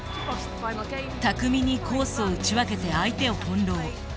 巧みにコースを打ち分けて相手を翻弄。